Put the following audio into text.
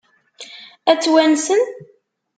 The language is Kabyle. Ad tt-wansen?